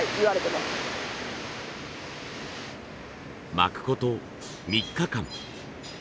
巻くこと３日間。